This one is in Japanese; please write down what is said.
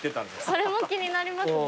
それも気になりますね。